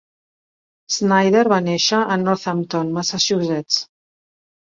Snyder va néixer a Northampton, Massachusetts.